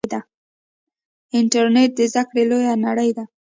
انټرنیټ د زده کړې لویه نړۍ ده.